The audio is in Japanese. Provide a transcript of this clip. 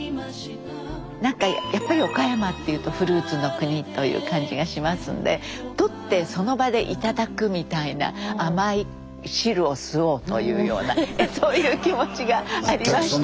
何かやっぱり岡山っていうとフルーツの国という感じがしますんでとってその場でいただくみたいな甘い汁を吸おうというようなそういう気持ちがありました。